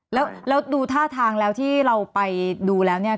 แล้วดูท่าทางแล้วที่เราไปดูแล้วเนี่ย